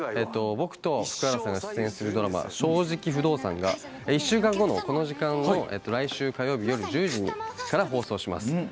僕と福原さんが出演するドラマ「正直不動産」が１週間後のこの時間の来週火曜日夜１０時から放送します。